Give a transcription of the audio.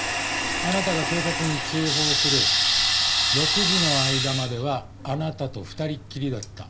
あなたが警察に通報する６時の間まではあなたと２人っきりだった。